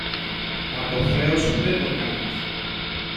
μα το χρέος σου δεν το κάνεις!